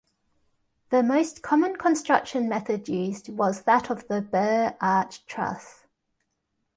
The most common construction method used was that of the Burr arch truss.